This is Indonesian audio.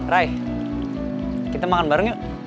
raih kita makan bareng yuk